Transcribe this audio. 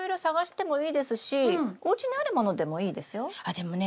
でもね